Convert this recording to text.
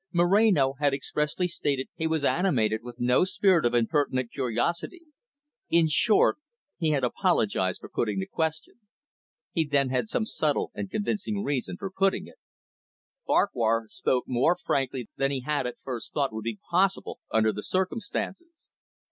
Moreno had expressly stated he was animated with no spirit of impertinent curiosity. In short, he had apologised for putting the question. He then had some subtle and convincing reason for putting it. Farquhar spoke more frankly than he had at first thought would be possible under the circumstances.